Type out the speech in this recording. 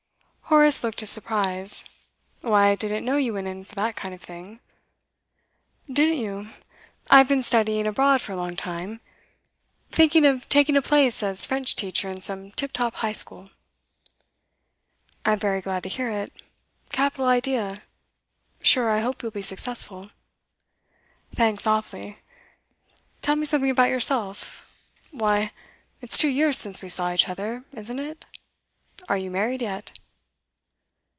Horace looked his surprise. 'Why, I didn't know you went in for that kind of thing.' 'Didn't you? I've been studying abroad for a long time. Thinking of taking a place as French teacher in some tip top high school.' 'I am very glad to hear it. Capital idea. Sure I hope you'll be successful.' 'Thanks awf'ly. Tell me something about yourself. Why, it's two years since we saw each other, isn't it? Are you married yet?